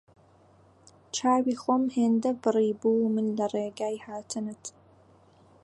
چاوی خۆم هێندە بڕیبوو من لە ڕێگای هاتنت